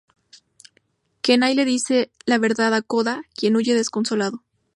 Kenai le dice la verdad a Koda, quien huye desconsolado.